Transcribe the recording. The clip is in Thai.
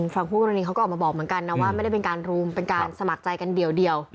ฝั่งคู่กรณีเขาก็ออกมาบอกเหมือนกันนะว่าไม่ได้เป็นการรุมเป็นการสมัครใจกันเดียว